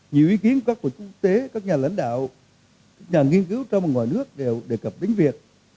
nhiều ý kiến của quốc tế các nhà lãnh đạo các nhà nghiên cứu trong và ngoài nước đều đề cập đến việc